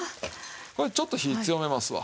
これでちょっと火強めますわ。